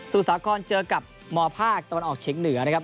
สาครเจอกับมภาคตะวันออกเฉียงเหนือนะครับ